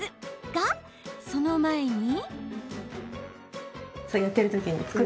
が、その前に。